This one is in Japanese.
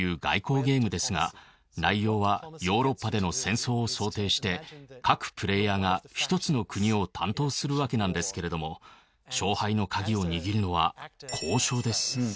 内容はヨーロッパでの戦争を想定して各プレーヤーが１つの国を担当するわけなんですけれども勝敗の鍵を握るのは交渉です。